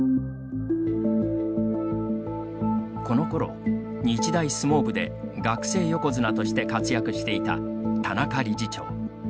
このころ、日大相撲部で学生横綱として活躍していた田中理事長。